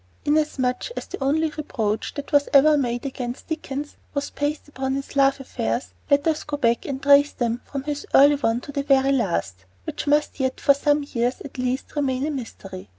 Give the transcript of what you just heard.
Inasmuch as the only reproach that was ever made against Dickens was based upon his love affairs, let us go back and trace them from this early one to the very last, which must yet for some years, at least, remain a mystery.